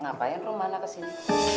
nggak payah rumah anak kesini